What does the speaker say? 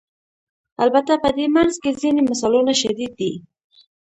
البته په دې منځ کې ځینې مثالونه شدید دي.